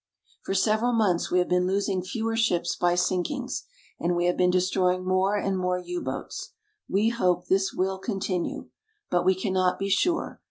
For several months we have been losing fewer ships by sinkings, and we have been destroying more and more U boats. We hope this will continue. But we cannot be sure.